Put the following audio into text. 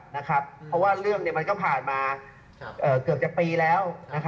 เพราะว่าเรื่องมันก็ผ่านมาเกือบจะปีแล้ว